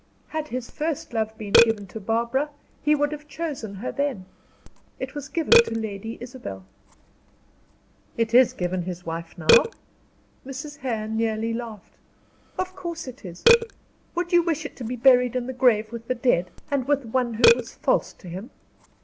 Had his first love been given to Barbara, he would have chosen her then. It was given to Lady Isabel." "It is given his wife now?" Mrs. Hare nearly laughed. "Of course it is; would you wish it to be buried in the grave with the dead, and with one who was false to him?